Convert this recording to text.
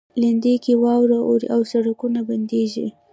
لېندۍ کې واوره اوري او سړکونه بندیږي.